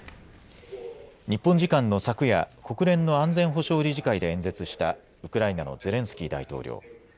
日本時間の昨夜、国連の安全保障理事会で演説したウクライナのゼレンスキー大統領。